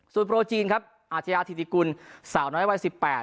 ส่วนโปรจีนครับอาชญาธิริกุลสาวน้อยวัยสิบแปด